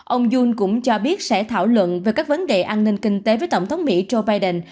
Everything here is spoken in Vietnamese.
ông jun cũng cho biết sẽ thảo luận về các vấn đề an ninh kinh tế với tổng thống mỹ joe biden